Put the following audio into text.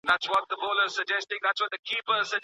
په لاس لیکل د ریاضي د حسابونو لپاره هم مهم دي.